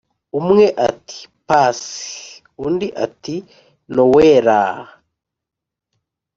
umwe ati"pasiiiiii.."undi ati"nowelaaaa!!"